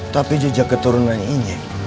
tapi jejak keturunan ini